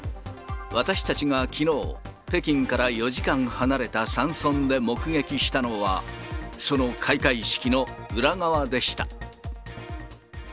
私たちがきのう、北京から４時間離れた山村で目撃したのは、その開会式の裏側でした。